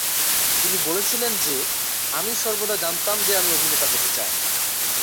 তিনি বলেছিলেন যে, "আমি সর্বদা জানতাম যে আমি অভিনেতা হতে চাই"।